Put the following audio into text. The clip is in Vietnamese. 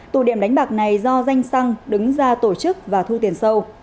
tụ điểm đánh bạc này do danh xăng đứng ra tổ chức và thu tiền sâu